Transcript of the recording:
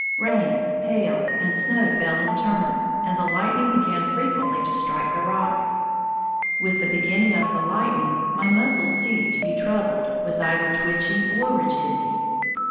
Rain, hail, and snow fell in turn, and the lightning began frequently to strike the rocks. With the beginning of the lightning my muscles ceased to be troubled with either twitching or rigidity.